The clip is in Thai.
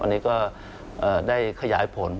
อันนี้ก็ได้ขยายผล